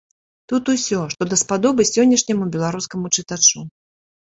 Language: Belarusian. Тут усё, што даспадобы сённяшняму беларускаму чытачу.